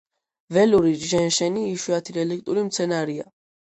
ველური ჟენშენი იშვიათი რელიქტური მცენარეა.